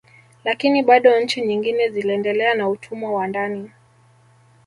Lakini bado nchi nyingine ziliendelea na utumwa wa ndani